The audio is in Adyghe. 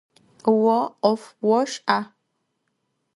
Vo 'of voş'a?